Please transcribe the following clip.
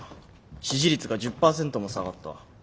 支持率が１０％も下がった。